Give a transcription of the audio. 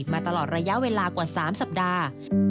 มาตลอดระยะเวลากว่า๓สัปดาห์